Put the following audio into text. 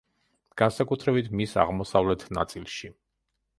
განსაკუთრებით, მის აღმოსავლეთ ნაწილში.